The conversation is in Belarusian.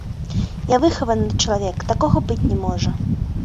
Я выхаваны чалавек, такога быць не можа.